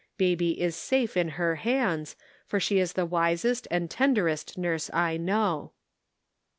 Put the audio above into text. Baby is safe in her hands, for she is the wisest and ten derest nurse I know."